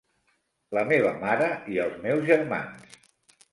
La meva mare i els meus germans.